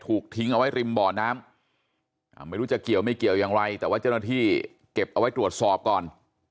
ทิ้งเอาไว้ริมบ่อน้ำไม่รู้จะเกี่ยวไม่เกี่ยวอย่างไรแต่ว่าเจ้าหน้าที่เก็บเอาไว้ตรวจสอบก่อน